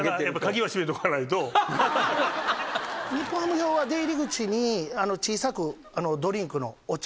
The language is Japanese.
日本ハム用は出入り口に小さくドリンクのお茶